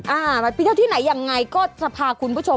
ไปเที่ยวที่ไหนยังไงก็จะพาคุณผู้ชม